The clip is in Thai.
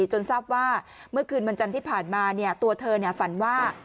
จนทราบว่าเมื่อคืนวันจันทร์ที่ผ่านมาตัวเธอฝันว่า